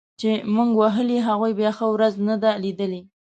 چي موږ وهلي هغوی بیا ښه ورځ نه ده لیدلې